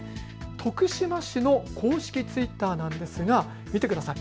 徳島市の公式ツイッターなんですが見てください。